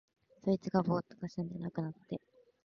そいつがぼうっとかすんで無くなって、